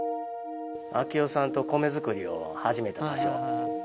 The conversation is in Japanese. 明雄さんと米作りを始めた場所。